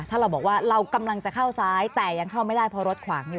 ถ้าเราบอกว่าเรากำลังจะเข้าซ้ายแต่ยังเข้าไม่ได้เพราะรถขวางอยู่